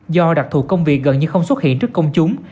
do đặc thù công việc gần như không xuất hiện trước công chúng